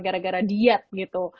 gara gara diet gitu